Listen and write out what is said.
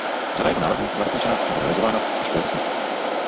Řada jeho návrhů byla dokončena nebo realizována až po jeho smrti.